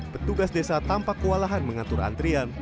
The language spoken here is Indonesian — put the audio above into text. petugas desa tampak kewalahan mengatur antrian